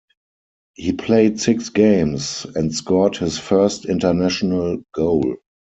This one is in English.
He played six games, and scored his first international goal.